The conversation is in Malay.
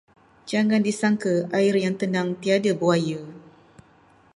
Jangan disangka air yang tenang tiada buaya.